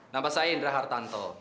nama saya indra hartanto